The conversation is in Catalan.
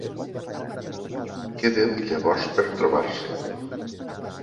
Queden llavors per trobar-se.